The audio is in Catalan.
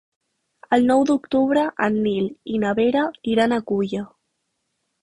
El nou d'octubre en Nil i na Vera iran a Culla.